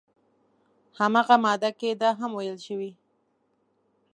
همغه ماده کې دا هم ویل شوي